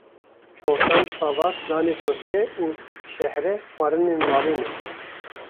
çortan, savar, danê kufte û şehre xwarinên malê ne